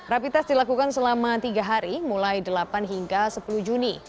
rapi tes dilakukan selama tiga hari mulai delapan hingga sepuluh juni